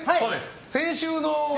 先週の笑